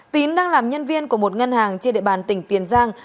tín đang làm nhân viên của một ngân hàng trên địa bàn tỉnh tiền giang